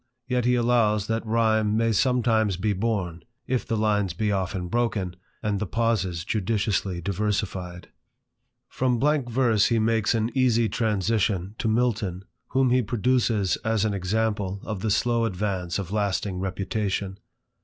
Yet he allows that rhyme may sometimes be borne, if the lines be often broken, and the pauses judiciously diversified. 3i6 THE IDLER. From blank verse he makes an easy transition to Milton, whom he produces as an example of the slow advance of lasting reputation.